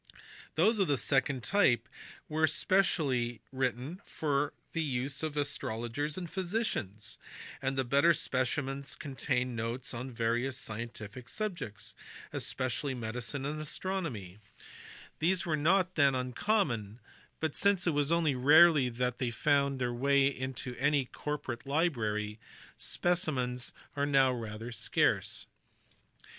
Those of the second type were written specially for the use of astrologers and physicians, ;uul the better specimens contained notes on various scien tific subjects (especially medicine and astronomy); these were 192 THE DEVELOPMENT OF ARITHMETIC. 1300 1637. not then uncommon, but, since it was only rarely that they found their way into any corporate library, specimens are now rather scarce.